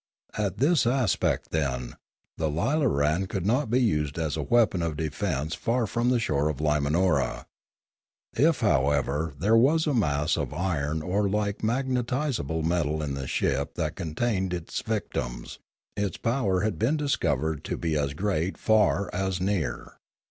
In this aspect, then, the lilaran could not be used as a weapon of defence far from the shore of Limanora. If, however, there was a mass of iron or like maguetisable metal in the ship that con tained its victims, its power had been discovered to be as great far as near.